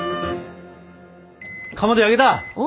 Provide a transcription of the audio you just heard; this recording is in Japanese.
かまど焼けた！